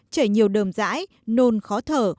chảy nhiều đờm rãi nôn khó thở